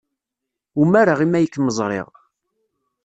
Umareɣ imi ay kem-ẓriɣ.